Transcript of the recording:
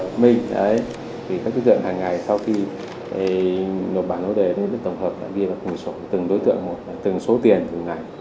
các đối tượng hàng ngày sau khi nộp bản lô đề tổng hợp ghi vào cùng số từng đối tượng một từng số tiền từng ngày